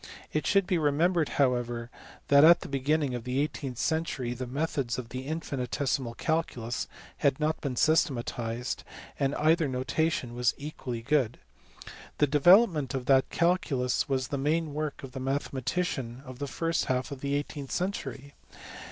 It should be remembered however that at the beginning of the eighteenth century the methods of the infinitesimal calculus had not been systematized, and either notation was equally good. The development of that calculus was the main work of the mathematicians of the first half of the eighteenth century.